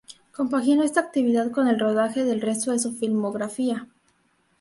Compaginó esta actividad con el rodaje del resto de su filmografía.